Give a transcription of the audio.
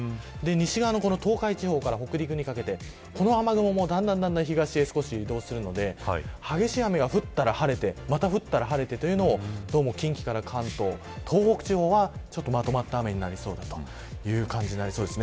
西側の東海地方から北陸にかけて、この雨雲もだんだん東へ移動するので激しい雨が降ったら晴れてまた降ったら晴れてというのを近畿から関東、東北地方はまとまった雨になりそうだという感じです。